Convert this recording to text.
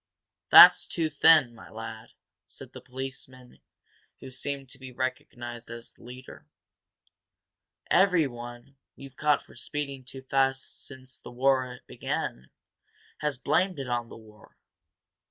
"That's too thin, my lad," said the policeman who seemed to be recognized as the leader. "Everyone, we've caught for speeding too fast since the war began has blamed it on the war.